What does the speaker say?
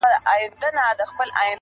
ستا د نظر زاويې شوې بدلې